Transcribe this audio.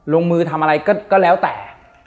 ลงมือทำอะไรก็แล้วแต่